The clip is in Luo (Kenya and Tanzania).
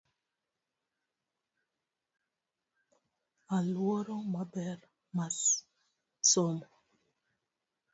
Aluora maber mas somo.